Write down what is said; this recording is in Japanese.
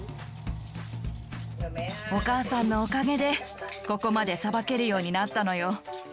お義母さんのおかげでここまでさばけるようになったのよ。